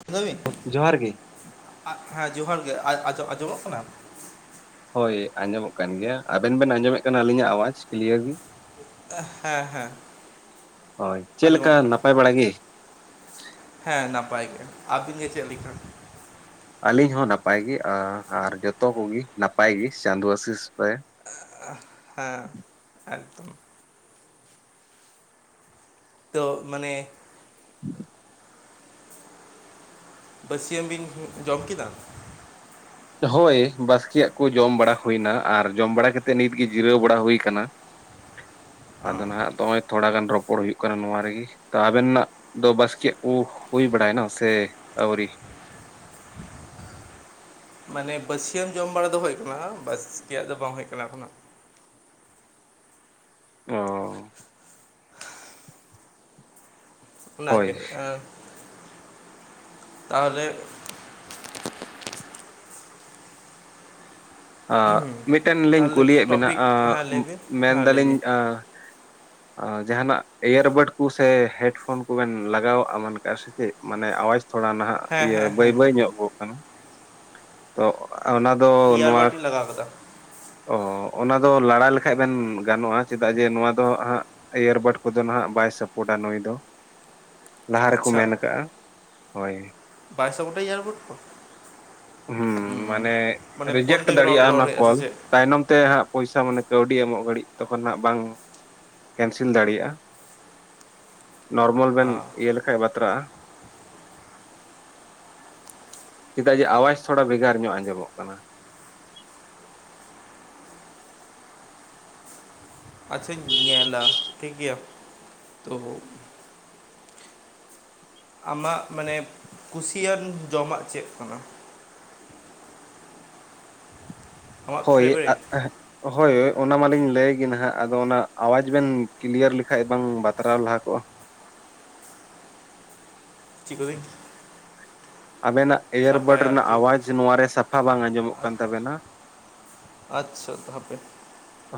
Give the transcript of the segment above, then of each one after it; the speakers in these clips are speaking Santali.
[unintelligible] ᱵᱤᱱ ᱡᱚᱦᱟᱨ ᱜᱮ ᱦᱮᱸ ᱡᱚᱦᱟᱨ ᱜᱮ ᱟᱸᱡᱚᱢᱚᱜ ᱠᱟᱱᱟ᱾ ᱦᱳᱭ ᱟᱸᱡᱚᱢᱚᱜ ᱠᱟᱱ ᱜᱮᱭᱟ ᱟᱵᱮᱱ ᱵᱮᱱ ᱟᱸᱡᱚᱢᱮᱫ ᱠᱟᱱᱟ ᱟᱹᱞᱤᱧᱟᱜ ᱟᱣᱟᱡ ᱠᱞᱤᱭᱟᱨ ᱜᱮ᱾ ᱦᱮᱸ ᱦᱮᱸ ᱦᱳᱭ ᱪᱮᱫᱞᱮᱠᱟ ᱟᱸᱡᱚᱢᱚᱜ ᱠᱟᱱᱟ ᱱᱟᱯᱟᱭ ᱵᱟᱲᱟ ᱜᱮ᱾ ᱦᱮᱸ ᱱᱟᱯᱟᱭ ᱜᱮ᱾ ᱟᱹᱵᱤᱱ ᱜᱮ ᱪᱮᱫ ᱞᱮᱠᱟ? ᱟᱹᱞᱤᱧ ᱦᱚᱸ ᱱᱟᱯᱟᱭ ᱜᱮ, ᱟᱨ ᱡᱚᱛᱚ ᱠᱚᱜᱮ ᱱᱟᱯᱟᱭ ᱜᱮ ᱪᱟᱸᱫᱳ ᱟᱥᱤᱥ ᱨᱮ [unintelligible] ᱦᱮᱸ ᱮᱠᱫᱚᱢ᱾ ᱛᱚ ᱢᱟᱱᱮ, [inaudible] ᱵᱟᱥᱤᱭᱟᱹᱡ ᱵᱤᱱ ᱡᱚᱢ ᱠᱮᱫᱟ? ᱦᱳᱭ, ᱵᱟᱥᱠᱮᱭᱟᱜ ᱠᱚ ᱡᱚᱢ ᱵᱟᱲᱟ ᱦᱩᱭᱱᱟ ᱟᱨ ᱡᱚᱢ ᱵᱟᱲᱟ ᱠᱟᱛᱮᱫ ᱱᱤᱛᱜᱮ ᱡᱤᱨᱟᱹᱣ ᱵᱟᱲᱟ ᱦᱩᱭ ᱠᱟᱱᱟ᱾ ᱚ ᱟᱫᱚ ᱱᱟᱦᱟᱜ ᱫᱚᱜᱼᱚᱭ ᱛᱷᱚᱲᱟ ᱜᱟᱱ ᱨᱚᱯᱚᱲ ᱦᱩᱭᱩᱜ ᱠᱟᱱᱟ ᱱᱚᱣᱟ ᱨᱮᱜᱮ᱾ ᱛᱚ ᱟᱵᱮᱱᱟᱜ ᱫᱚ ᱵᱟᱥᱠᱮᱭᱟᱜ ᱠᱚ ᱦᱩᱭ ᱵᱟᱲᱟᱭᱱᱟ ᱥᱮ ᱟᱣᱨᱤ? ᱢᱟᱱᱮ ᱵᱟᱹᱥᱤᱭᱟᱹᱢ ᱡᱚᱢ ᱵᱟᱲᱟ ᱫᱚ ᱦᱩᱭᱩᱜ ᱠᱟᱱᱟ, ᱵᱟᱥᱠᱮᱭᱟᱜ ᱫᱚ ᱵᱟᱝ ᱦᱩᱭᱩᱜ ᱠᱟᱱᱟ ᱮᱠᱷᱚᱱ ᱦᱟᱸᱜ᱾ ᱚᱻ ᱚᱱᱟ ᱦᱳᱭ ᱜᱮ [inaudible] ᱛᱟᱦᱚᱞᱮ, [unintelligible] ᱢᱤᱫᱴᱮᱱ ᱞᱤᱧ ᱛᱟᱦᱚᱞᱮ ᱠᱩᱞᱤᱭᱮᱫ ᱵᱮᱱᱟ, ᱴᱚᱯᱤᱠ ᱦᱮᱸ ᱞᱟᱹᱭ ᱵᱤᱱ ᱦᱮᱸ ᱞᱟᱹᱭ ᱢᱮᱱᱫᱟᱞᱤᱧ ᱵᱤᱱ [unintelligible] [inaudible] ᱡᱟᱦᱱᱟᱜ ᱤᱭᱟᱨᱵᱟᱰ ᱠᱚ ᱥᱮ ᱦᱮᱰᱯᱷᱳᱱ ᱠᱚᱵᱮᱱ ᱞᱟᱜᱟᱣ ᱮᱢᱟᱱ ᱠᱟᱜ-ᱟ ᱥᱮ ᱪᱮᱫ? ᱢᱟᱱᱮ ᱟᱣᱟᱡᱽ ᱛᱷᱚᱲᱟ ᱱᱟᱦᱟᱜ ᱦᱮᱸ ᱤᱭᱟᱹ ᱦᱮᱸ ᱵᱟᱹᱭ ᱦᱮᱸ ᱵᱟᱹᱭ ᱦᱮᱸ ᱧᱚᱜᱚᱜ ᱠᱟᱱᱟ, ᱛᱚ ᱚᱱᱟ ᱫᱚ ᱱᱚᱣᱟ ᱤᱭᱟᱨᱵᱟᱴ ᱤᱧ ᱞᱟᱜᱟᱣ ᱠᱟᱫᱟ᱾ ᱚ ᱚᱱᱟ ᱫᱚ ᱞᱟᱲᱟ ᱞᱮᱠᱷᱟᱡ ᱵᱮᱱ ᱜᱟᱱᱚᱜᱼᱟ, ᱪᱮᱫᱟᱜ ᱡᱮ ᱱᱚᱣᱟ ᱫᱚ ᱦᱟᱸᱜ ᱮᱤᱭᱟᱨᱵᱟᱴ ᱠᱚᱫᱚ ᱱᱟᱦᱟᱜ ᱵᱟᱭ ᱥᱟᱯᱳᱴᱟ ᱱᱩᱭ ᱫᱚ [inaudible] ᱞᱟᱦᱟ ᱨᱮᱠᱚ ᱟᱪᱪᱷᱟ ᱢᱮᱱ ᱠᱟᱜᱼᱟ᱾ ᱦᱳᱭ ᱵᱟᱭ ᱥᱟᱯᱳᱴᱟ ᱮᱭᱟᱨᱵᱟᱴ ᱠᱚ? ᱦᱩᱸ, ᱢᱟᱱᱮ ᱢᱟᱱᱮ ᱯᱷᱳᱱ ᱨᱮᱡᱮᱠᱴ ᱛᱮᱜᱮ ᱨᱚᱲ ᱫᱟᱲᱮᱭᱟᱜᱼᱟ ᱨᱚᱲ ᱚᱱᱟ ᱦᱩᱭᱩᱜᱼᱟ ᱥᱮ ᱠᱚᱞ᱾ ᱪᱮᱫ ᱛᱟᱭᱱᱚᱢ ᱛᱮ ᱦᱟᱸᱜ ᱯᱚᱭᱥᱟ ᱢᱟᱱᱮ ᱠᱟᱹᱣᱰᱤ ᱮᱢᱚᱜ ᱜᱷᱟᱹᱲᱤᱡ ᱛᱚᱠᱷᱚᱱ ᱦᱟᱸᱜ ᱵᱟᱝ ᱠᱮᱱᱥᱤᱞ ᱫᱟᱲᱮᱭᱟᱜᱼᱟ᱾ [inaudible] ᱱᱚᱨᱢᱟᱞ ᱵᱮᱱ ᱚ ᱤᱭᱟᱹ ᱞᱮ ᱠᱷᱟᱡ ᱵᱟᱛᱨᱟᱜ-ᱟ᱾ ᱪᱮᱫᱟᱜ ᱡᱮ ᱟᱣᱟᱡ ᱛᱷᱚᱲᱟ ᱵᱷᱮᱜᱟᱨ ᱧᱚᱜ ᱟᱸᱡᱚᱢᱚᱜ ᱠᱟᱱᱟ᱾ ᱟᱪᱪᱷᱟᱧ ᱧᱮᱞᱟ ᱴᱷᱤᱠ ᱜᱮᱭᱟ᱾ ᱛᱚ ᱟᱢᱟᱜ ᱢᱟᱱᱮ ᱠᱩᱥᱤᱭᱟᱱ ᱡᱚᱢᱟᱜ ᱪᱮᱫ ᱠᱟᱱᱟ? ᱟᱢᱟᱜ ᱦᱳᱭ ᱯᱷᱮᱵᱟᱨᱤᱴ [unintelligible] ᱦᱳᱭ ᱚᱱᱟ ᱢᱟᱞᱤᱧ ᱞᱟᱹᱭ ᱜᱮ ᱱᱟᱦᱟᱜ, ᱟᱫᱚ ᱚᱱᱟ ᱟᱣᱟᱡᱽ ᱵᱮᱱ ᱠᱞᱤᱭᱟᱨ ᱞᱮᱠᱷᱟᱡ ᱵᱟᱝ ᱵᱟᱛᱨᱟᱣ ᱞᱟᱦᱟ ᱠᱚᱜᱼᱟ᱾ [unintelligible] ᱟᱵᱮᱱᱟᱜ ᱮᱭᱟᱨᱵᱟᱰ ᱥᱟᱯᱟᱭᱟ ᱨᱮᱱᱟᱜ ᱟᱨᱠᱤ ᱟᱣᱟᱡᱽ ᱱᱚᱣᱟ ᱨᱮ ᱥᱟᱯᱷᱟ ᱵᱟᱝ ᱟᱸᱡᱚᱢᱚᱜ ᱠᱟᱱ ᱟᱪ- ᱛᱟᱵᱮᱱᱟ᱾ ᱟᱪᱪᱷᱟ ᱛᱚ ᱦᱟᱯᱮ,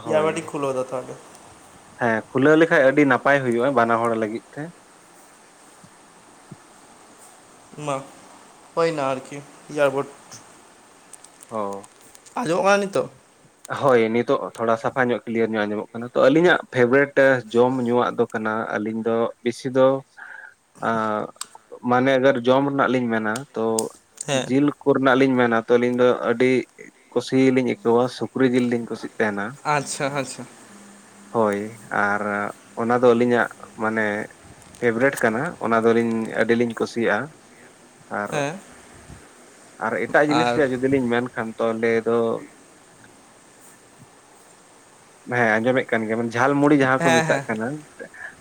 ᱦᱳᱭ ᱮᱭᱟᱨᱵᱟᱴᱤᱧ ᱠᱷᱩᱞᱟᱹᱣ ᱫᱟ ᱛᱟᱦᱚᱞᱮ᱾ ᱦᱮᱸ, ᱠᱷᱩᱞᱟᱹᱣ ᱞᱮᱠᱷᱟᱡ ᱟᱹᱰᱤ ᱱᱟᱯᱟᱭ ᱦᱩᱭᱩᱜᱼᱟ ᱵᱟᱱᱟ ᱦᱚᱲ ᱞᱟᱹᱜᱤᱫ ᱛᱮ᱾ ᱢᱟ, ᱦᱚᱭᱱᱟ ᱟᱨᱠᱤ ᱮᱭᱟᱨᱵᱟᱴ ᱦᱚ ᱟᱸᱡᱚᱢᱚᱜ ᱠᱟᱱᱟ ᱱᱤᱛᱚᱜ? ᱦᱳᱭ ᱱᱤᱛᱚᱜ ᱛᱷᱚᱲᱟ ᱥᱟᱯᱷᱟ ᱧᱚᱜ ᱠᱞᱤᱭᱟᱨ ᱧᱚᱜ ᱟᱸᱡᱚᱢᱚᱜ ᱠᱟᱱᱟ, ᱛᱚ ᱟᱹᱞᱤᱧᱟᱜ ᱯᱷᱮᱵᱨᱮᱴ ᱡᱚᱢ ᱧᱩᱣᱟᱜ ᱫᱚ ᱠᱟᱱᱟ, ᱟᱹᱞᱤᱧ ᱫᱚ ᱵᱮᱥᱤ ᱫᱚ [unintelligible] ᱢᱟᱱᱮ ᱟᱜᱟᱨ ᱡᱚᱢ ᱨᱮᱱᱟᱜ ᱞᱤᱧ ᱢᱮᱱᱟ ᱛᱚ ᱦᱮᱸ ᱡᱤᱞ ᱠᱚᱨᱮᱱᱟᱜ ᱞᱤᱧ ᱢᱮᱱᱟ ᱛᱚ ᱟᱹᱞᱤᱧ ᱫᱚ ᱟᱹᱰᱤ ᱠᱩᱥᱤ ᱞᱤᱧ ᱟᱹᱭᱠᱟᱹᱣᱟ ᱥᱩ ᱠᱨᱤ ᱡᱤᱞᱤᱧ ᱠᱩᱥᱤᱜ ᱛᱟᱦᱮᱸᱱᱟ᱾ ᱟᱪᱪᱷᱟ ᱟᱪᱪᱷᱟ᱾ ᱦᱳᱭ, ᱟᱨ ᱚᱱᱟ ᱫᱚ ᱟᱹᱞᱤᱧᱟᱜ ᱢᱟᱱᱮ ᱯᱷᱮᱵᱨᱮᱴ ᱠᱟᱱᱟ, ᱚᱱᱟ ᱫᱚ ᱟᱞᱤᱧ ᱟᱹᱰᱤᱞᱤᱧ ᱠᱩᱥᱤᱭᱟᱜᱼᱟ᱾ ᱟᱨ, ᱦᱮᱸ ᱟᱨ ᱮᱴᱟᱜ ᱡᱤᱱᱤᱥ ᱟᱨ ᱨᱮᱭᱟᱜ ᱡᱩᱫᱤ ᱞᱤᱧ ᱢᱮᱱᱠᱷᱟᱱ ᱛᱚ ᱞᱮᱭ ᱫᱚ ᱦᱮᱸ ᱟᱸᱡᱚᱢᱮᱫ ᱠᱟᱱ ᱜᱮᱭᱟ ᱵᱮᱱ ᱡᱷᱟᱞ ᱢᱩᱲᱤ ᱡᱟᱦᱟᱸ ᱠᱚ ᱦᱮᱸ ᱢᱮᱛᱟᱜ ᱦᱮᱸ ᱠᱟᱱᱟ᱾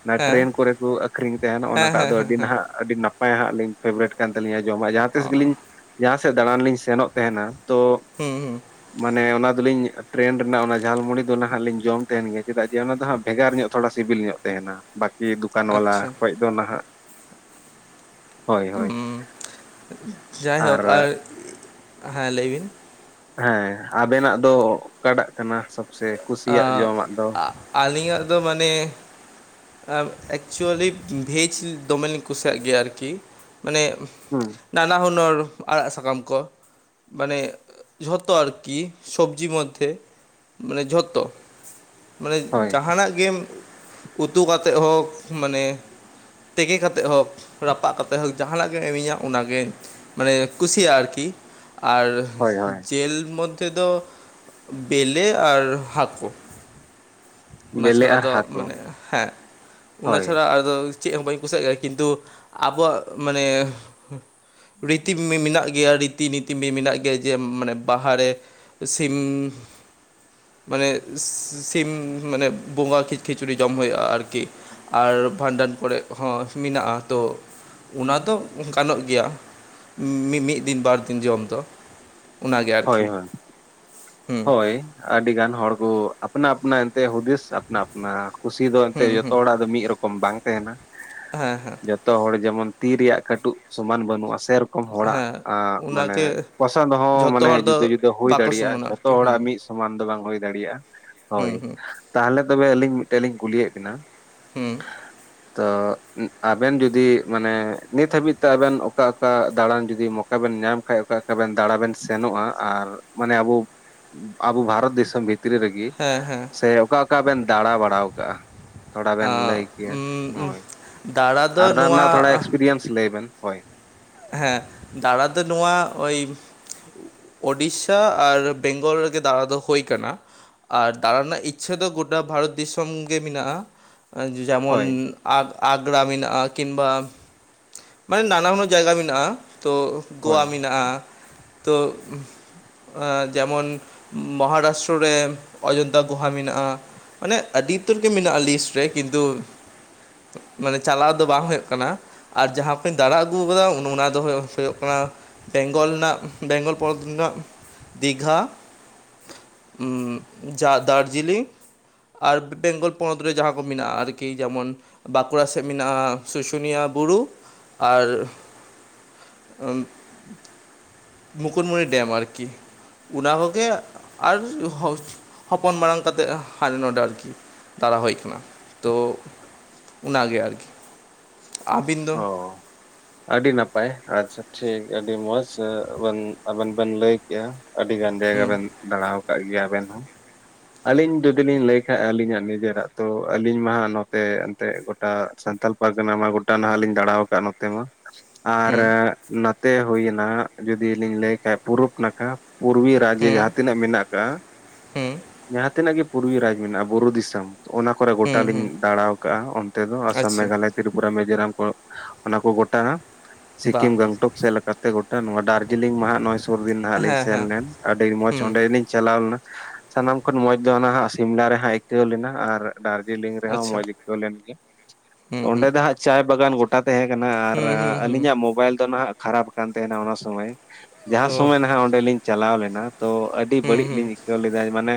ᱚᱱᱟ ᱦᱮᱸ ᱴᱨᱮᱹᱱ ᱠᱚᱨᱮ ᱠᱚ ᱟᱹᱠᱷᱨᱤᱧ ᱛᱟᱦᱮᱱ ᱾ ᱦᱮᱸ ᱚᱱᱟᱴᱟᱜ ᱦᱮᱸ ᱫᱚ ᱦᱮᱸ ᱟᱹᱰᱤ ᱦᱮᱸ ᱱᱟᱦᱟᱜ ᱼᱼ ᱟᱹᱰᱤ ᱱᱟᱯᱟᱭ ᱦᱟᱸᱜ ᱞᱤᱧ ᱯᱷᱮᱵᱟᱨᱮᱴ ᱠᱟᱱ ᱛᱟᱹᱞᱤᱧᱟ ᱡᱚᱢᱟᱜ ᱾ ᱡᱟᱦᱟᱸ ᱚ ᱛᱤᱥ ᱜᱮᱞᱤᱧᱼᱼ ᱡᱟᱦᱟᱸ ᱥᱮᱫ ᱫᱟᱬᱟᱱ ᱞᱤᱧ ᱥᱮᱱᱚᱜ ᱛᱟᱦᱮᱱᱟ ᱛᱚ ᱦᱩᱸ ᱦᱩᱸ ᱢᱟᱱᱮ ᱚᱱᱟ ᱼᱼ ᱫᱚᱞᱤᱧ ᱴᱨᱮᱱ ᱨᱮᱱᱟᱜ ᱚᱱᱟ ᱡᱷᱟᱞ ᱢᱩᱲᱤ ᱫᱚ ᱱᱟᱦᱟᱸᱜ ᱞᱤᱧ ᱡᱚᱢ ᱛᱟᱦᱮᱱ ᱜᱮᱭᱟ ᱾ ᱪᱮᱫᱟᱜ ᱡᱮ ᱚᱱᱟ ᱫᱚ ᱦᱟᱸᱜ ᱵᱷᱮᱜᱟᱨ ᱧᱚᱜ ᱛᱷᱚᱲᱟ ᱥᱤᱵᱤᱞ ᱧᱚᱜ ᱛᱟᱦᱮᱱᱟ ᱾ ᱵᱟᱠᱤ ᱫᱚᱠᱟᱱ ᱵᱟᱞᱟ ᱟᱪᱪᱷᱟ ᱠᱷᱚᱡ ᱫᱚ ᱱᱟᱦᱟᱜ ᱾ ᱦᱳᱭ ᱦᱳᱭ ᱾ ᱦᱩᱸ ᱡᱟᱭᱦᱳᱠ ᱟᱨ ᱦᱮᱸ ᱞᱟᱹᱭ ᱵᱤᱱ ᱾ ᱦᱮᱸ ᱟᱵᱮᱱᱟᱜ ᱫᱚ ᱚᱠᱟᱴᱟᱜ ᱠᱟᱱᱟ ᱥᱚᱵᱥᱮ ᱼᱼ ᱟᱸ ᱟᱹᱞᱤᱧᱟᱜ ᱫᱚ ᱢᱟᱱᱮ ᱼᱼ ᱮᱠᱪᱩᱭᱮᱞᱤ ᱵᱷᱮᱹᱡᱽ ᱫᱚᱢᱮ ᱞᱤᱧ ᱠᱩᱥᱤᱭᱟᱜ ᱜᱮᱭᱟ ᱟᱨᱠᱤ ᱾ ᱢᱟᱱᱮᱼᱼ ᱦᱩᱸ ᱾ ᱱᱟᱱᱟ ᱦᱩᱱᱟᱹᱨ ᱟᱲᱟᱜ ᱥᱟᱠᱟᱢ ᱠᱚ ᱾ ᱢᱟᱱᱮ ᱡᱷᱚᱛᱚ ᱟᱨᱠᱤ ᱥᱚᱵᱡᱤ ᱢᱚᱫᱷᱮ ᱾ ᱢᱟᱱᱮ ᱡᱷᱚᱼᱼ ᱼᱛᱚ ᱢᱟᱱᱮ ᱦᱳᱭ ᱡᱟᱦᱟᱱᱟᱜ ᱜᱮᱢ ᱩᱛᱩ ᱠᱟᱛᱮᱫ ᱦᱚᱸ ᱢᱟᱱᱮ ᱼᱼ ᱛᱮᱠᱮ ᱠᱟᱛᱮᱫ ᱦᱳᱠ, ᱨᱟᱯᱟᱜ ᱠᱟᱛᱮᱫ ᱦᱳᱠ ᱡᱟᱦᱟᱱᱟᱜ ᱜᱮᱢ ᱤᱢᱟᱹᱧᱟ ᱚᱱᱟᱜᱮ ᱼᱼ ᱢᱟᱱᱮ ᱠᱩᱥᱤᱭᱟᱜ ᱟᱨᱠᱤ ᱾ ᱟᱨ ᱦᱳᱭ ᱦᱳᱭ ᱼᱼ ᱡᱮᱞ ᱢᱚᱫᱽᱫᱷᱮ ᱫᱚ ᱵᱮᱞᱮ ᱟᱨ ᱦᱟᱹᱠᱳ ᱾ ᱚᱱᱟ ᱵᱮᱞᱮ ᱪᱷᱟᱲᱟ ᱟᱨ ᱫᱚ ᱦᱟᱹᱠᱩ ᱢᱟᱱᱮ ᱦᱮᱸ ᱚᱱᱟ ᱦᱳᱭ ᱪᱷᱟᱲᱟ ᱼᱼ ᱟᱫᱚ ᱪᱮᱫ ᱦᱚᱸ ᱵᱟᱹᱧ ᱠᱩᱥᱤᱭᱟᱜ ᱜᱮᱭᱟ ᱾ ᱠᱤᱱᱛᱩ ᱟᱵᱚᱣᱟᱜ ᱢᱟᱱᱮ ᱼᱼ ᱨᱤᱛᱤ ᱢᱮᱼᱢᱮᱱᱟᱜ ᱜᱮᱭᱟ ᱨᱤᱛᱤ ᱱᱤᱛᱤ ᱢᱮᱼᱢᱮᱱᱟᱜ ᱜᱮᱭᱟ, ᱡᱮ ᱢᱟᱱᱮ ᱵᱟᱦᱟ ᱨᱮ ᱼᱼ ᱥᱤᱢᱻ ᱢᱟᱱᱮᱼᱼ ᱥᱤᱢ ᱢᱟᱱᱮ ᱵᱚᱸᱜᱟ ᱠᱷᱤᱼᱠᱷᱤᱪᱩᱲᱤ ᱡᱚᱢ ᱦᱩᱭᱩᱜᱼᱟ ᱟᱨᱠᱤ ᱾ ᱟᱨ ᱵᱷᱟᱸᱰᱟᱱ ᱠᱚᱨᱮ ᱦᱚᱸ ᱢᱮᱱᱟᱜᱼᱟ ᱛᱚ ᱚᱱᱟ ᱫᱚ ᱜᱟᱱᱚᱜ ᱜᱮᱭᱟ ᱾ ᱢᱤᱼᱢᱤᱫ ᱫᱤᱱ ᱵᱟᱨ ᱫᱤᱱ ᱡᱚᱢ ᱫᱚ ᱾ ᱦᱳᱭ ᱦᱳᱭ, ᱦᱮᱸ ᱦᱳᱭ ᱟᱹᱰᱤ ᱜᱟᱱ ᱦᱚᱲ ᱠᱚ ᱟᱯᱱᱟ ᱟᱯᱱᱟ ᱮᱱᱛᱮ ᱦᱩᱫᱤᱥ ᱼᱼ ᱟᱯᱱᱟ ᱟᱯᱱᱟ ᱠᱩᱥᱤ ᱫᱚ ᱮᱱᱛᱮᱫ ᱦᱮᱸ ᱡᱷᱚᱛᱚ ᱦᱮᱸ ᱦᱚᱲᱟᱜ ᱫᱚ ᱢᱤᱫ ᱨᱚᱠᱚᱢ ᱵᱟᱝ ᱛᱟᱸᱦᱮᱱᱟ ᱦᱮᱸ ᱦᱮᱸ ᱾ ᱡᱚᱼᱼ ᱼᱛᱚ ᱦᱚᱲ ᱡᱮᱢᱚᱱ ᱛᱤ ᱨᱮᱭᱟᱜ ᱠᱟᱹᱴᱩᱵ ᱥᱚᱢᱟᱱ ᱵᱟᱹᱱᱩᱜᱼᱟ ᱾ ᱥᱮᱨᱚᱠᱚᱢ ᱼᱼ ᱦᱚᱲᱟᱜ ᱦᱮᱸ ᱟᱸ ᱢᱟᱱᱮ ᱚᱱᱟᱜᱮ ᱯᱚᱥᱚᱱᱫ ᱦᱚᱸ ᱼᱼ ᱡᱷᱚᱛᱚ ᱢᱟᱱᱮ ᱦᱚᱲ ᱫᱚ ᱡᱩᱫᱟᱹ ᱡᱩᱫᱟᱹ ᱦᱩᱭ ᱵᱟᱠᱚ ᱫᱟᱲᱮᱭᱟᱜᱼᱟ ᱾ ᱥᱚᱢᱟᱱᱟ ᱡᱷᱚᱛᱚ ᱟᱨᱠᱤ ᱦᱮᱸ ᱦᱚᱲᱟᱜ ᱢᱤᱫ ᱥᱚᱢᱟᱱ ᱫᱚ ᱵᱟᱝ ᱦᱩᱭ ᱫᱟᱲᱮᱭᱟᱜᱼᱟ ᱾ ᱦᱳᱭ, ᱦᱮᱸ ᱦᱮᱸ ᱛᱟᱦᱞᱮ ᱛᱚᱵᱮ ᱟᱹᱞᱤᱧ ᱢᱤᱫᱴᱮᱡ ᱞᱤᱧ ᱠᱩᱞᱤᱭᱮᱫ ᱵᱮᱱᱟ ᱾ [inaudible] ᱛᱚᱻ ᱟᱵᱮᱱ ᱡᱩᱫᱤ ᱢᱟᱱᱮ ᱱᱤᱛ ᱦᱟᱹᱵᱤᱡ ᱛᱮ ᱟᱵᱮᱱ ᱚᱠᱟ ᱚᱠᱟ ᱫᱟᱬᱟᱱ ᱡᱩᱫᱤ ᱢᱚ ᱼᱼ ᱼᱠᱟ ᱵᱮᱱ ᱧᱟᱢ ᱠᱷᱟᱡ ᱚᱠᱟ ᱚᱠᱟᱵᱮᱱ ᱫᱟᱲᱟ ᱵᱮᱱ ᱼᱼ ᱥᱮᱱᱚᱜᱼᱟ? ᱟᱨ ᱢᱟᱱᱮ ᱟᱵᱚ ᱟᱵᱚ ᱵᱷᱟᱨᱚᱛ ᱫᱤᱥᱚᱢ ᱵᱷᱤᱛᱨᱤ ᱨᱮᱜᱮ ᱼᱼ ᱠᱤ ᱦᱮᱸ ᱦᱮᱸ ᱥᱮ ᱚᱠᱟ ᱚᱠᱟ ᱵᱮᱱ ᱫᱟᱬᱟ ᱵᱟᱲᱟᱣ ᱠᱟᱜᱼᱟ? ᱛᱷᱚᱲᱟ ᱵᱮᱱ ᱟᱸ ᱞᱟᱹᱭ ᱠᱮᱭᱟ ᱩᱢ ᱩᱢ ᱦᱳᱭ ᱾ ᱫᱟᱬᱟ ᱟᱨ ᱫᱚ ᱚᱱᱟ ᱨᱮᱱᱟᱜ ᱛᱷᱚᱲᱟ ᱱᱚᱣᱟ ᱮᱠᱥᱯᱨᱤᱭᱮᱱᱥ ᱞᱟᱹᱭ ᱵᱮᱱ ᱦᱳᱭ ᱾ ᱦᱮᱸ, ᱫᱟᱬᱟ ᱫᱚ ᱱᱚᱣᱟ ᱳᱭ ᱼᱼ ᱳᱰᱤᱥᱟ ᱟᱨ ᱵᱮᱝᱜᱚᱞ ᱨᱮᱜᱮ ᱫᱟᱬᱟ ᱫᱚ ᱦᱳᱭ ᱠᱟᱱᱟ ᱾ ᱟᱨ ᱫᱟᱬᱟ ᱨᱮᱱᱟᱜ ᱤᱪᱪᱷᱟᱹ ᱫᱚ ᱜᱚᱴᱟ ᱵᱷᱟᱨᱚᱛ ᱫᱤᱥᱚᱢ ᱜᱮ ᱢᱮᱱᱟᱜᱼᱟ ᱾ ᱦᱳᱭ ᱡᱮᱢᱚᱱ ᱟᱜᱽᱼᱟᱜᱽᱨᱟ ᱢᱮᱱᱟᱜᱼᱟ, ᱠᱤᱢᱵᱟ ᱢᱟᱱᱮ ᱱᱟᱱᱟ ᱦᱩᱱᱟᱹᱨ ᱼᱼ ᱡᱟᱭᱜᱟ ᱢᱮᱱᱟᱜᱼᱟ ᱛᱚ, ᱜᱳᱣᱟ ᱦᱳᱭ ᱢᱮᱱᱟᱜᱼᱟ ᱛᱚ ᱾ ᱡᱮᱢᱚᱱ ᱢᱚᱦᱟᱨᱟᱥᱴᱨᱚ ᱨᱮ ᱚᱡᱳᱫᱫᱷᱟ ᱜᱳᱦᱟ ᱢᱮᱱᱟᱜᱼᱟ ᱾ ᱢᱟᱱᱮ ᱟᱹᱰᱤ ᱩᱛᱟᱹᱨ ᱜᱮ ᱢᱮᱱᱟᱜᱼᱟ ᱞᱤᱥᱴ ᱨᱮ ᱾ ᱠᱤᱱᱛᱩ ᱼᱼ ᱢᱟᱱᱮ ᱪᱟᱞᱟᱣ ᱫᱚ ᱵᱟᱝ ᱦᱩᱭᱩᱜ ᱠᱟᱱᱟ ᱾ ᱟᱨ ᱡᱟᱸᱦᱟ ᱠᱩᱧ ᱫᱟᱬᱟ ᱼᱼ ᱟᱹᱜᱩᱣ ᱠᱟᱫᱟ ᱚᱱᱟ ᱫᱚ ᱦᱩᱭᱩᱜ ᱠᱟᱱᱟ ᱵᱮᱝᱜᱚᱞ ᱨᱮᱱᱟᱜ ᱵᱮᱝᱜᱚᱞ ᱯᱚᱱᱚᱛ ᱨᱮᱱᱟᱜ ᱼᱼ ᱫᱤᱜᱷᱟ ᱩᱸ ᱡᱟ ᱫᱟᱨᱡᱤᱞᱤᱝ ᱾ ᱟᱨ ᱵᱮᱝᱜᱚᱞ ᱯᱚᱱᱚᱛ ᱨᱮ ᱡᱟᱸᱦᱟ ᱠᱚ ᱢᱮᱱᱟᱜᱼᱟ ᱟᱨᱠᱤ ᱡᱮᱢᱚᱱ ᱼᱼ ᱵᱟᱸᱠᱩᱲᱟ ᱥᱮᱫ ᱢᱮᱱᱟᱜᱼᱟ ᱥᱩᱥᱩᱱᱤᱭᱟ ᱵᱩᱨᱩ ᱾ ᱟᱨ ᱼᱼ ᱟᱸ ᱢᱩᱠᱩᱴᱢᱩᱱᱤ ᱰᱮᱢ ᱟᱨᱠᱤ ᱾ ᱚᱱᱟ ᱠᱚᱜᱮ ᱟᱨ ᱦᱚᱥᱼᱦᱚᱯᱚᱱ ᱢᱟᱨᱟᱝ ᱠᱟᱛᱮᱫ ᱦᱟᱰᱮ ᱱᱚᱸᱰᱮ ᱟᱨᱠᱤ᱾ ᱫᱟᱲᱟ ᱦᱳᱭ ᱠᱟᱱᱟ, ᱛᱚ ᱚᱱᱟᱜᱮ ᱟᱨᱠᱤ ᱾ᱟᱹᱵᱤᱱ ᱫᱚ? ᱚ ᱟᱹᱰᱤ ᱱᱟᱯᱟᱭ ᱟᱪᱪᱷᱟ ᱴᱷᱤᱠ ᱟᱹᱰᱤ ᱢᱚᱸᱡᱽ ᱟᱵᱮᱱ ᱵᱮᱱ ᱞᱟᱹᱭ ᱠᱮᱜ-ᱟ᱾ ᱟᱹᱰᱤ ᱜᱟᱱ ᱡᱟᱭᱜᱟ ᱦᱩᱸ ᱵᱮᱱ ᱫᱟᱬᱟ ᱟᱠᱟᱫ ᱜᱮᱭᱟ ᱟᱵᱮᱱ ᱦᱚᱸ᱾ ᱟᱹᱞᱤᱧ ᱡᱩᱫᱤ ᱞᱤᱧ ᱞᱟᱹᱭ ᱠᱷᱟᱱᱡ ᱟᱹᱞᱤᱧᱟᱜ ᱱᱤᱡᱮᱨᱟᱜ ᱛᱚ ᱟᱹᱞᱤᱧ ᱢᱟ ᱦᱟᱜ ᱱᱚᱛᱮ ᱮᱱᱛᱮ ᱴᱟᱜ ᱥᱟᱱᱛᱟᱲ ᱯᱟᱨᱠᱟᱱᱟ ᱢᱟ ᱜᱚᱴᱟ ᱱᱟᱦᱟᱜ ᱞᱤᱧ ᱫᱟᱬᱟ ᱟᱠᱟᱫ-ᱟ ᱱᱚᱛᱮ ᱢᱟ ᱟᱨ ᱦᱩᱸ ᱱᱟᱛᱮ ᱦᱳᱭᱮᱱᱟ ᱡᱩᱫᱤ ᱞᱤᱧ ᱞᱟᱹᱭ ᱠᱷᱟᱡ ᱯᱩᱨᱩᱵ ᱱᱟᱠᱷᱟ ᱯᱩᱨᱩᱞᱤᱭᱟ ᱨᱟᱡᱽᱡᱮ ᱡᱟᱸᱦᱟ ᱛᱤᱱᱟᱹᱜ ᱢᱮᱱᱟᱜ ᱠᱟᱜ-ᱟ᱾ ᱦᱩᱸ ᱡᱟᱸᱦᱟ ᱛᱤᱱᱟᱹᱜ ᱜᱮ ᱯᱩᱨᱩᱞᱤᱭᱟᱹ ᱨᱟᱡᱽ ᱢᱮᱱᱟᱜ-ᱟ ᱵᱩᱨᱩ ᱫᱤᱥᱚᱢ ᱚᱱᱟ ᱠᱚᱨᱮ ᱜᱚᱴᱟ ᱞᱤᱧ ᱫᱟᱲᱟ ᱟᱠᱟᱜ-ᱟ ᱚᱱᱛᱮ ᱫᱚ ᱟᱥᱟᱢ ᱢᱮᱜᱷᱟᱞᱚᱭ ᱛᱨᱤᱯᱩᱨᱟ ᱢᱮᱡᱳᱨᱟᱢ ᱠᱚ ᱚᱱᱟ ᱠᱚ ᱜᱚᱴᱟ ᱥᱤᱠᱤᱢ ᱜᱮᱝᱴᱚᱠ ᱥᱮᱫ ᱞᱮᱠᱟᱛᱮ ᱛᱮ ᱜᱚᱴᱟ ᱱᱚᱣᱟ ᱫᱟᱨᱡᱤᱞᱤᱝ ᱢᱟᱦᱟ ᱱᱚᱭ ᱥᱩᱨ ᱫᱤᱱ ᱱᱟᱦᱟᱜ ᱞᱤᱧ ᱥᱮᱱ ᱞᱮᱱ ᱟᱹᱰᱤ ᱢᱚᱸᱡᱽ ᱚᱸᱰᱮᱞᱤᱧ ᱪᱟᱞᱟᱣ ᱞᱮᱱᱟ᱾ ᱥᱟᱱᱟᱢ ᱠᱷᱚᱱ ᱢᱚᱸᱡᱽ ᱫᱚ ᱚᱱᱟ ᱦᱟᱸᱜ ᱥᱤᱢᱞᱟ ᱨᱮ ᱦᱟᱸᱜ ᱟᱹᱭᱠᱟᱹᱣ ᱞᱮᱱᱟ ᱟᱨ ᱫᱟᱨᱡᱤᱞᱤᱝ ᱨᱮᱦᱚᱸ ᱢᱚᱸᱡᱽ ᱟᱹᱭᱠᱟᱹᱣ ᱞᱮᱱ ᱜᱮᱭᱟ᱾ ᱚᱸᱰᱮ ᱫᱚ ᱦᱟᱸᱜ ᱪᱟᱭ ᱵᱟᱜᱟᱱ ᱜᱚᱴᱟ ᱛᱟᱦᱮᱸ ᱠᱟᱱᱟ ᱟᱨ ᱟᱹᱞᱤᱧᱟᱜ ᱢᱳᱵᱟᱭᱤᱞ ᱫᱚ ᱱᱟᱦᱟᱜ ᱠᱷᱟᱨᱟᱯ ᱠᱟᱱ ᱛᱟᱸᱦᱮᱱᱟ ᱚᱱᱟ ᱥᱩᱢᱚᱭ ᱡᱟᱸᱦᱟ ᱥᱩᱢᱚᱭ ᱱᱟᱦᱟᱜ ᱚᱸᱰᱮ ᱞᱤᱧ ᱪᱟᱞᱟᱣ ᱞᱮᱱᱟ ᱛᱚ ᱟᱹᱰᱤ ᱟᱹᱰᱤ ᱵᱟᱹᱲᱤᱡ ᱞᱤᱧ ᱟᱹᱭᱠᱟᱹᱣ ᱞᱮᱫᱟ ᱢᱟᱱᱮ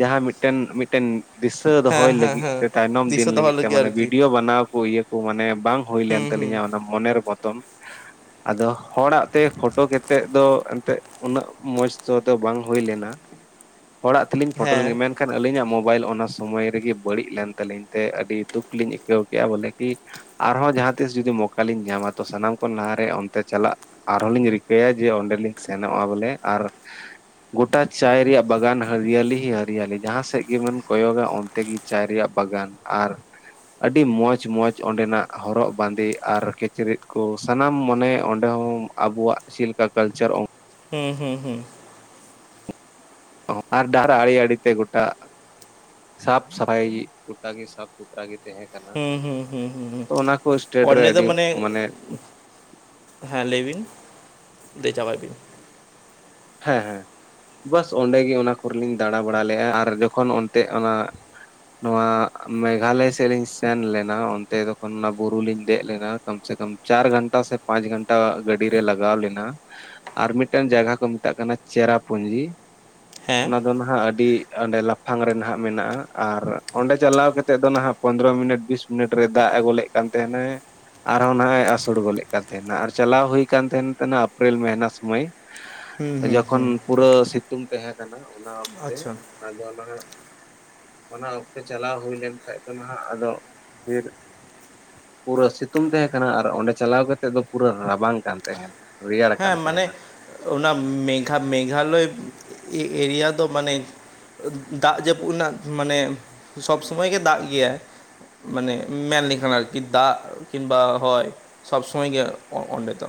ᱡᱟᱦᱟᱸ ᱢᱤᱫᱴᱮᱱ ᱢᱤᱫᱴᱮᱱ ᱫᱤᱥᱟᱹ ᱫᱚᱦᱚᱭ ᱞᱟᱹᱜᱤᱫ ᱛᱮ ᱛᱟᱭᱱᱚᱢ ᱫᱤᱱ ᱞᱟᱹᱜᱤᱫ ᱛᱮ ᱢᱟᱱᱮ ᱵᱷᱤᱰᱭᱳ ᱵᱮᱱᱟᱣ ᱠᱚ ᱤᱭᱟᱹ ᱠᱚ ᱢᱟᱱᱮ ᱵᱟᱝ ᱦᱩᱭᱞᱮᱱ ᱛᱟᱹᱞᱤᱧᱟ ᱚᱱᱟ ᱢᱚᱱᱮᱨ ᱵᱚᱛᱚᱱ ᱟᱫᱚ ᱦᱚᱲᱟᱜ ᱛᱮ ᱯᱷᱳᱴᱳ ᱠᱟᱛᱮᱫ ᱫᱚ ᱮᱱᱛᱮᱫ ᱩᱱᱟᱹᱜ ᱢᱚᱸᱡᱽ ᱫᱚ ᱵᱟᱝ ᱦᱩᱭ ᱞᱮᱱᱟ ᱦᱚᱲᱟᱜ ᱛᱮᱞᱤᱧ ᱯᱷᱳᱴᱳ ᱞᱮᱱᱜᱮ ᱢᱮᱱ ᱢᱮᱱᱠᱷᱟᱱ ᱟᱹᱞᱤᱧᱟᱜ ᱢᱳᱵᱟᱭᱤᱞ ᱚᱱᱟ ᱥᱚᱢᱚᱭ ᱨᱮᱜᱮ ᱵᱟᱹᱲᱤᱡ ᱞᱮᱱ ᱛᱟᱹᱟᱞᱤᱧ ᱛᱮ ᱟᱹᱰᱤ ᱫᱩᱠ ᱞᱤᱧ ᱟᱹᱭᱠᱟᱹᱣ ᱠᱮᱫ-ᱟ ᱵᱚᱞᱮ ᱠᱤ ᱟᱨᱦᱚᱸ ᱡᱟᱦᱟᱸ ᱛᱤᱥ ᱡᱩᱫᱤ ᱢᱚᱠᱟᱞᱤᱧ ᱧᱟᱢᱟ ᱛᱚ ᱥᱟᱱᱟᱢ ᱠᱷᱚᱱ ᱞᱟᱦᱟᱨᱮ ᱚᱱᱛᱮ ᱪᱟᱞᱟᱜ ᱟᱨᱦᱚᱸ ᱞᱤᱧ ᱨᱤᱠᱟᱹᱭᱟ ᱡᱮ ᱚᱸᱰᱮᱞᱤᱧ ᱥᱮᱱᱚᱜ-ᱟ ᱵᱚᱞᱮ ᱟᱨ ᱜᱚᱴᱟ ᱪᱟᱭ ᱨᱮᱭᱟᱜ ᱵᱟᱜᱟᱱ ᱦᱟᱹᱨᱭᱟᱞᱤ ᱦᱟᱹᱨᱭᱟᱞᱤ ᱡᱟᱦᱟᱸ ᱥᱮᱫ ᱜᱮᱵᱚᱱ ᱠᱚᱭᱚᱜᱟ ᱚᱱᱛᱮ ᱜᱮ ᱪᱟᱭ ᱨᱮᱭᱟᱜ ᱵᱟᱜᱟᱱ ᱟᱨ ᱟᱹᱰᱤ ᱢᱚᱸᱡᱽ ᱢᱚᱸᱡᱽ ᱚᱸᱰᱮᱱᱟᱜ ᱦᱚᱨᱚᱜ ᱵᱟᱸᱫᱮ ᱟᱨ ᱠᱤᱪᱨᱤᱡ ᱠᱚ ᱥᱟᱱᱟᱢ ᱢᱟᱱᱮ ᱚᱸᱰᱮ ᱦᱚᱸ ᱟᱵᱚᱣᱟᱜ ᱪᱮᱫ ᱞᱮᱠᱟ ᱠᱟᱞᱪᱟᱨ ᱦᱩᱸ ᱦᱩᱸ ᱦᱩᱸ ᱟᱨ ᱰᱟᱦᱟᱨ ᱟᱲᱮ ᱟᱲᱮ ᱛᱮ ᱜᱚᱴᱟ ᱥᱟᱯᱷ ᱥᱟᱯᱷ ᱤᱡ ᱜᱚᱴᱟ ᱥᱟᱯᱷ ᱥᱩᱛᱨᱟ ᱜᱮ ᱛᱟᱦᱮᱱᱟ ᱠᱟᱱᱟ ᱛᱚ ᱚᱱᱟ ᱠᱚ ᱥᱴᱮᱴ ᱨᱮ ᱟᱹᱰᱤ ᱢᱟᱱᱮ ᱦᱮᱸ ᱞᱟᱹᱭ ᱵᱤᱱ ᱞᱟᱹᱭ ᱪᱟᱵᱟᱭ ᱵᱤᱱ᱾ ᱦᱮᱸ ᱦᱮᱸ ᱵᱟᱥ ᱚᱸᱰᱮᱜᱮ ᱚᱱᱟ ᱠᱚᱨᱮ ᱞᱤᱧ ᱫᱟᱬᱟ ᱵᱟᱲᱟ ᱞᱮᱫ-ᱟ ᱟᱨ ᱡᱚᱠᱷᱚᱱ ᱚᱱᱛᱮ ᱚᱱᱟ ᱱᱚᱣᱟ ᱢᱮᱜᱷᱟᱞᱚᱭ ᱥᱮᱫ ᱞᱤᱧ ᱥᱮᱱ ᱞᱮᱱᱟ ᱚᱱᱛᱮ ᱡᱚᱠᱷᱚᱱ ᱚᱱᱟ ᱵᱩᱨᱩ ᱞᱤᱧ ᱫᱮᱡ ᱞᱮᱱᱟ ᱠᱟᱢᱥᱮ ᱠᱟᱢ ᱪᱟᱨ ᱜᱷᱟᱱᱴᱟ ᱥᱮ ᱯᱟᱸᱪ ᱜᱷᱟᱱᱴᱟ ᱜᱟᱹᱰᱤ ᱨᱮ ᱞᱟᱜᱟᱣ ᱞᱮᱱᱟ ᱟᱨ ᱢᱤᱫᱴᱮᱱ ᱡᱟᱭᱜᱟ ᱠᱚ ᱢᱮᱛᱟᱜ ᱠᱟᱱᱟ ᱪᱮᱨᱟ ᱯᱩᱸᱡᱤ ᱚᱱᱟ ᱫᱚ ᱱᱟᱦᱟᱜ ᱟᱹᱰᱤ ᱚᱸᱰᱮ ᱞᱟᱯᱷᱟᱝ ᱨᱮ ᱱᱟᱦᱟᱜ ᱢᱮᱱᱟᱜ-ᱟ ᱟᱨ ᱚᱸᱰᱮ ᱪᱟᱞᱟᱣ ᱠᱟᱛᱮ ᱫᱚ ᱱᱟᱦᱟᱜ ᱯᱚᱸᱫᱽᱨᱚ ᱢᱤᱱᱤᱴ ᱵᱤᱥ ᱢᱤᱱᱤᱴ ᱨᱮ ᱫᱟᱜ ᱟᱹᱜᱚ ᱞᱮᱫ ᱠᱟᱱ ᱛᱟᱦᱮᱱᱟᱭ ᱟᱨᱦᱚᱸ ᱱᱟᱭ ᱟᱥᱩᱲ ᱜᱚᱫᱮᱫ ᱠᱟᱱ ᱛᱟᱦᱮᱱᱟ ᱟᱨ ᱪᱟᱞᱟᱣ ᱦᱩᱭ ᱠᱷᱟᱱ ᱛᱟᱦᱮᱱᱟ ᱟᱯᱨᱤᱞ ᱢᱟᱦᱱᱟ ᱥᱩᱢᱟᱹᱭ [inaudible] ᱡᱚᱠᱷᱚᱱ ᱯᱩᱨᱟᱹ ᱥᱤᱛᱩᱝ ᱛᱟᱦᱮ ᱠᱟᱱᱟ ᱚᱱᱟ ᱚᱠᱛᱮ ᱟᱫᱚ ᱚᱱᱟ ᱚᱱᱟ ᱚᱠᱛᱮ ᱪᱟᱞᱟᱣ ᱦᱩᱭ ᱞᱮᱱ ᱠᱷᱟᱱ ᱫᱚ ᱱᱟᱦᱟᱜ ᱟᱫᱚ ᱵᱤᱨ ᱯᱩᱨᱟᱹ ᱥᱤᱛᱩᱝ ᱛᱟᱦᱮᱸ ᱠᱟᱱᱟ ᱟᱨ ᱚᱸᱰᱮ ᱪᱟᱞᱟᱣ ᱠᱟᱛᱮᱫ ᱫᱚ ᱯᱩᱨᱟᱹ ᱨᱟᱵᱟᱝ ᱠᱟᱱ ᱛᱟᱦᱮᱸᱱᱟ᱾ ᱦᱮᱸ ᱢᱟᱱᱮ ᱚᱱᱟ ᱢᱮᱜᱷᱟ ᱢᱮᱜᱷᱟᱞᱚᱭ ᱮᱨᱤᱭᱟ ᱫᱚ ᱢᱟᱱᱮ ᱫᱟᱜ ᱡᱟᱹᱯᱩᱫ ᱨᱮᱱᱟᱜ ᱢᱟᱱᱮ ᱥᱚᱵᱽ ᱥᱚᱢᱚᱭ ᱜᱮ ᱫᱟᱜ ᱜᱮᱭᱟᱭ ᱢᱟᱱᱮ ᱢᱮᱱ ᱞᱮᱠᱷᱟᱱ ᱟᱨᱠᱤ ᱫᱟᱜ ᱠᱤᱱ ᱵᱟ ᱦᱚᱭ ᱥᱚᱵ ᱥᱚᱢᱚᱭ ᱜᱮ ᱚᱸᱰᱮ ᱫᱚ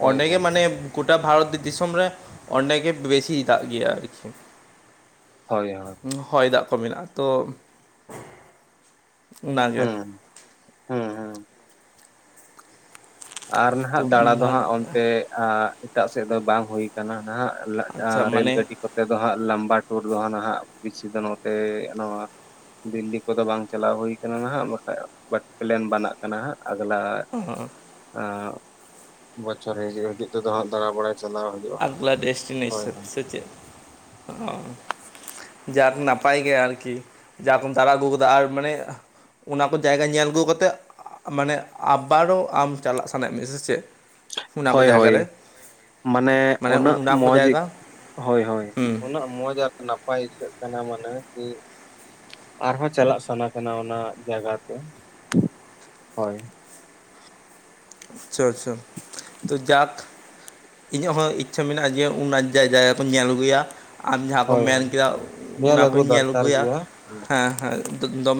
ᱦᱳᱭ ᱚᱸᱰᱮ ᱜᱮ ᱦᱳᱭ ᱢᱟᱱᱮ ᱜᱚᱴᱟ ᱵᱷᱟᱨᱚᱛ ᱫᱤᱥᱚᱢ ᱨᱮ ᱚᱸᱰᱮ ᱜᱮ ᱵᱮᱥᱤ ᱫᱟᱜ ᱜᱮᱭᱟ ᱟᱨᱠᱤ᱾ ᱦᱳᱭ ᱦᱳᱭ ᱦᱚᱭ ᱫᱟᱜ ᱠᱚ ᱢᱮᱱᱟᱜ-ᱟ ᱛᱚ ᱚᱱᱟᱜᱮ᱾ ᱦᱩᱸᱻᱦᱩᱸ ᱟᱨ ᱱᱟᱦᱟᱜ ᱫᱟᱬᱟ ᱫᱚ ᱦᱟᱸᱜ ᱚᱱᱛᱮ ᱮᱴᱟᱜ ᱥᱮᱫ ᱫᱚ ᱵᱟᱝ ᱦᱩᱭ ᱠᱟᱱᱟ ᱱᱟᱦᱟᱜ ᱨᱮᱹᱞ ᱜᱟᱹᱰᱤ ᱠᱚ ᱱᱚᱛᱮ ᱫᱚ ᱦᱟᱸᱜ ᱞᱟᱢᱵᱟ ᱴᱩᱨ ᱫᱚ ᱦᱟᱸᱜ ᱱᱟᱦᱟᱜ ᱵᱮᱥᱤ ᱫᱚ ᱱᱚᱛᱮ ᱱᱚᱣᱟ ᱫᱤᱞᱞᱤ ᱠᱚᱫᱚ ᱵᱟᱝ ᱪᱟᱞᱟᱣ ᱦᱩᱭᱩ ᱟᱠᱟᱱᱟ ᱱᱟᱦᱟᱸᱜ ᱵᱟᱠᱷᱟᱡ ᱠᱚᱢᱯᱞᱮᱱ ᱵᱟᱱᱟᱜ ᱠᱟᱱᱟ ᱦᱟᱸᱜ ᱟᱜᱽᱞᱟ᱾ ᱦᱩᱸ ᱟ ᱵᱚᱪᱷᱚᱨᱮ ᱦᱮᱡ ᱱᱤᱛᱚ ᱫᱚ ᱦᱟᱸᱜ ᱫᱟᱲᱟ ᱵᱟᱲᱟᱭ ᱪᱟᱞᱟᱣ ᱦᱩᱭᱩᱜᱼᱟ ᱟᱜᱞᱟ ᱦᱳᱭ ᱰᱮᱥᱴᱮᱱᱮᱥᱮᱱ ᱦᱳᱭ ᱥᱮ ᱪᱮᱫ? ᱡᱟᱠ ᱱᱟᱯᱟᱭ ᱜᱮ ᱟᱨᱠᱤ ᱡᱟ ᱠᱚᱢ ᱫᱟᱨᱟ ᱟᱹᱜᱩ ᱠᱟᱫᱟ ᱟᱨ ᱢᱟᱱᱮ ᱚᱱᱟ ᱠᱚ ᱡᱟᱭᱜᱟ ᱧᱮᱞ ᱟᱹᱜᱩ ᱠᱟᱛᱮᱜ ᱢᱟᱱᱮ ᱟᱵᱟᱨ ᱚ ᱟᱢ ᱪᱟᱞᱟᱜ ᱥᱟᱱᱟᱭᱮᱫ ᱢᱮᱭᱟ ᱥᱮ ᱪᱮᱫ? ᱚᱱᱟ ᱠᱚ ᱦᱳᱭ ᱡᱟᱭᱜᱟ ᱦᱳᱭ᱾ ᱨᱮ ᱢᱟᱱᱮ ᱩᱱᱟᱹᱜ ᱚᱱᱟ ᱠᱚ ᱢᱚᱡ ᱡᱟᱭᱜᱟ ᱦᱳᱭ ᱦᱳᱭ ᱦᱩᱸ ᱩᱱᱟᱹᱜ ᱢᱚᱡᱼᱟ ᱱᱟᱯᱟᱭ ᱟᱹᱭᱠᱟᱹᱜ ᱠᱟᱱᱟ ᱢᱟᱱᱮ ᱠᱤ ᱟᱨᱦᱚᱸ ᱪᱟᱞᱟᱜ ᱥᱟᱱᱟ ᱠᱟᱱᱟ ᱚᱱᱟ ᱡᱟᱭᱜᱟ ᱠᱚ ᱦᱳᱭ ᱾ ᱪᱚ ᱪᱚ ᱛᱚ ᱡᱟᱠ ᱤᱧᱟᱹᱜ ᱦᱚᱸ ᱤᱪᱪᱷᱟᱹ ᱢᱮᱱᱟᱜᱼᱟ ᱡᱮ ᱩᱱᱟ ᱡᱟᱭᱜᱟ ᱠᱚᱧ ᱧᱮᱞ ᱟᱹᱜᱩᱭᱟ᱾ ᱟᱢ ᱡᱟᱦᱟᱸ ᱠᱚᱢ ᱦᱳᱭ ᱢᱮᱱ ᱦᱳᱭ ᱠᱮᱫᱟ ᱚᱱᱟ ᱟᱹᱜᱩ ᱠᱚᱧ ᱧᱮᱞ ᱫᱚᱨᱠᱟᱨ ᱟᱹᱜᱩᱭᱟ ᱜᱮᱭᱟ ᱦᱮᱸ ᱦᱮᱸ ᱫᱚᱢᱮ